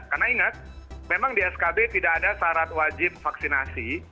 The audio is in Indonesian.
karena ingat memang di skb tidak ada syarat wajib vaksinasi